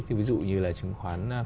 thì ví dụ như là chứng khoán